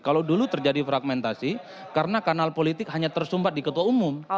kalau dulu terjadi fragmentasi karena kanal politik hanya tersumbat di ketua umum